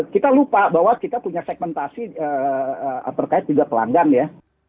kita lupa bahwa kita punya segmentasi terkait juga pelanggan ya